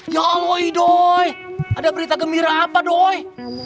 ya allah idoi ada berita gembira apa doi